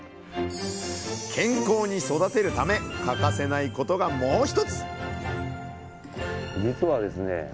健康に育てるため欠かせないことがもう１つ！